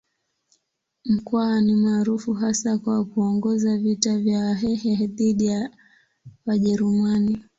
Mkwawa ni maarufu hasa kwa kuongoza vita vya Wahehe dhidi ya Wajerumani.